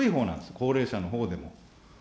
高齢者のほうでも。